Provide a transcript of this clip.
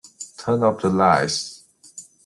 Turn off the lights.